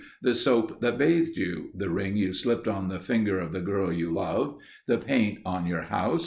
The soap that bathed you. The ring you slipped on the finger of the girl you love. The paint on your house.